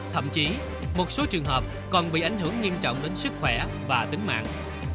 thậm chí một số trường hợp còn bị ảnh hưởng nghiêm trọng đến sức khỏe và tính mạng